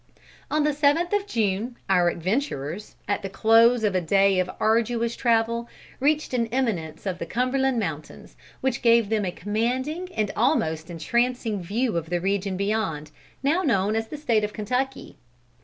On the seventh of June, our adventurers, at the close of a day of arduous travel, reached an eminence of the Cumberland Mountains, which gave them a commanding and an almost entrancing view of the region beyond, now known as the State of Kentucky.